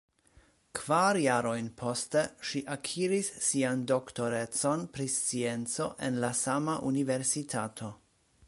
Kvar jarojn poste ŝi akiris sian doktorecon pri scienco en la sama universitato.